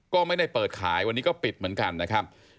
ก็ไม่ได้เปิดขายวันนี้ก็ปิดเหมือนกันนะครับ